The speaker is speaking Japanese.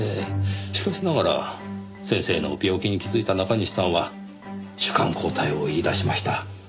しかしながら先生の病気に気づいた中西さんは主幹交代を言い出しました。